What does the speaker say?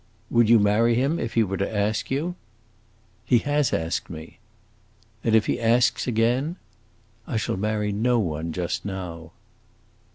"Would you marry him if he were to ask you?" "He has asked me." "And if he asks again?" "I shall marry no one just now."